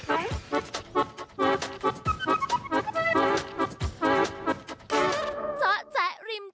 อุ๊ยตายไว้กรี๊ด